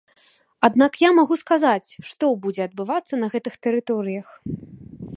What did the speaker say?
Аднак я магу сказаць, што будзе адбывацца на гэтых тэрыторыях.